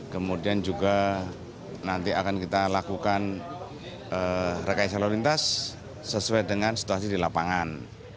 kemudian juga nanti akan kita lakukan rekayasa lalu lintas sesuai dengan situasi di lapangan